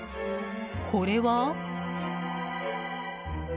これは？